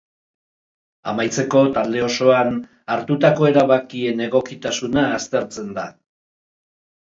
Amaitzeko, talde osoan, hartutako erabakien egokitasuna aztertzen da.